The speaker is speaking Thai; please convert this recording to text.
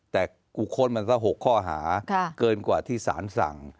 แต่กูค้นมันสัก๖ข้อหาเกินกว่าที่สารสั่ง